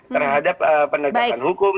terhadap pendekatan hukum